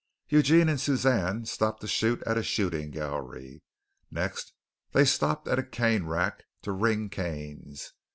Eugene and Suzanne stopped to shoot at a shooting gallery. Next they stopped at a cane rack to ring canes.